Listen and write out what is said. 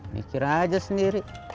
mikir aja sendiri